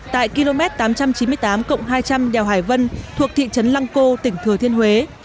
tại km tám trăm chín mươi tám cộng hai trăm linh đèo hải vân thuộc thị trấn lăng cô tỉnh thừa thiên huế